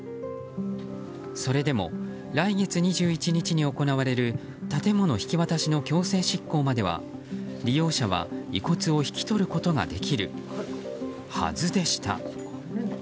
それでも、来月２１日に行われる建物引き渡しの強制執行までは利用者は遺骨を引き取ることができるはずでした。